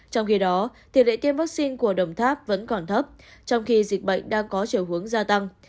trong khi đó tỷ lệ tiêm vaccine của đồng tháp vẫn còn thấp trong khi dịch bệnh đang có chiều hướng gia tăng